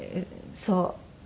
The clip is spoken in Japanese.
そう。